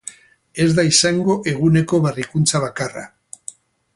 Ez da izango eguneko berrikuntza bakarra.